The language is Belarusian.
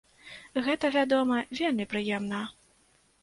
Гэта, вядома, вельмі прыемна!